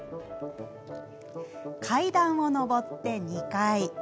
階段を上って２階。